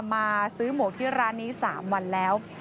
มาซื้อหมวกที่ร้านนี้๓วันแล้ว